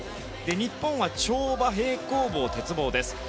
日本は跳馬、平行棒、鉄棒です。